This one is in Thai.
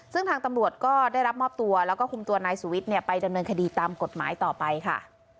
ซึ่งทางตำรวจก็ได้รับมอบตัวแล้วก็คุมตัวนายสุวิทย์ไปดำเนินคดีตามกฎหมายต่อไปค่ะ